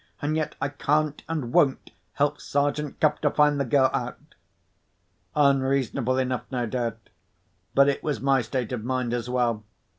And yet I can't, and won't, help Sergeant Cuff to find the girl out." Unreasonable enough, no doubt. But it was my state of mind as well.